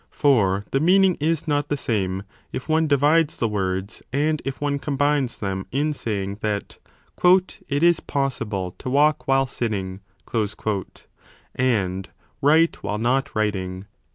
For the mean ing is not the same if one divides the words and if one com 25 bines them in saying that it is possible to walk while sitting [and write while not writing].